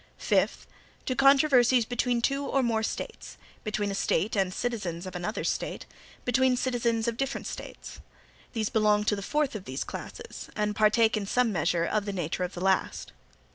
Fifth. To controversies between two or more States; between a State and citizens of another State; between citizens of different States. These belong to the fourth of those classes, and partake, in some measure, of the nature of the last.